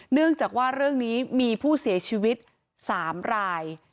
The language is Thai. เนื่องจากว่าเรื่องนี้มีผู้เสียชีวิต๓ราย